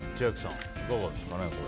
千秋さん、いかがですか。